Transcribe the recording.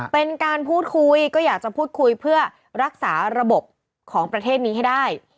เป็นการพูดคุยก็อยากจะพูดคุยเพื่อรักษาระบบของประเทศนี้ให้ได้